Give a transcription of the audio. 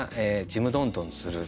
ちむどんどんする